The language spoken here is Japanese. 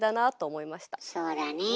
そうだねえ。